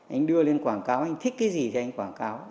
anh đưa lên quảng cáo anh thích cái gì thì anh quảng cáo